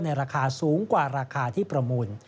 ราคาสูงกว่าราคาที่ประมูล